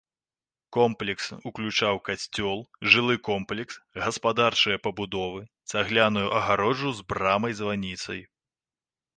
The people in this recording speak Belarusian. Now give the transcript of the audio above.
Комплекс уключаў касцёл, жылы комплекс, гаспадарчыя пабудовы, цагляную агароджу з брамай-званіцай.